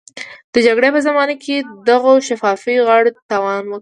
د جګړې په زمانه کې دغو شفاهي غاړو تاوان وکړ.